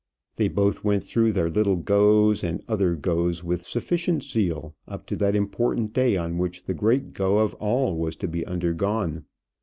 They both went through their little goes and other goes with sufficient zeal, up to that important day on which the great go of all was to be undergone.